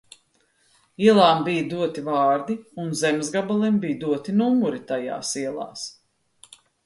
Ielām bija doti vārdi un zemes gabaliem bija doti numuri tajās ielās.